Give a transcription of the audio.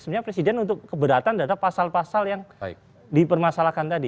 sebenarnya presiden untuk keberatan terhadap pasal pasal yang dipermasalahkan tadi